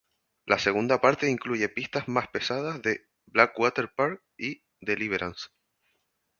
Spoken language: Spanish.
La segunda parte incluye pistas más pesadas de "Blackwater Park" y "Deliverance".